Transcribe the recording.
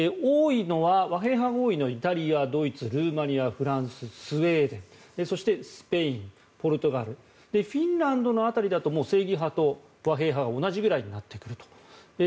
和平派が多いのはイタリア、ドイツ、ルーマニアフランス、スウェーデンそしてスペイン、ポルトガルフィンランドの辺りだと正義派と和平派が同じぐらいになっています。